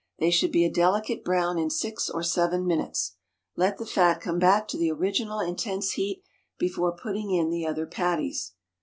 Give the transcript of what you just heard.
They should be a delicate brown in six or seven minutes. Let the fat come back to the original intense heat before putting in the other patties.